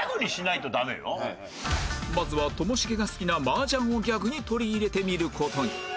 まずはともしげが好きな麻雀をギャグに取り入れてみる事に